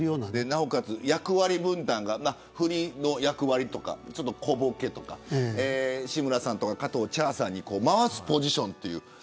なおかつ役割分担が振りの役割とか、小ボケとか志村さんとか加藤茶さんに回すポジションという。